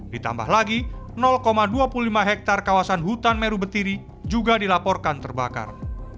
ditambah lagi dua puluh lima hektare kawasan hutan meru betiri juga dilaporkan terbakar